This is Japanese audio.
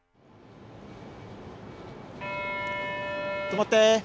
とまって。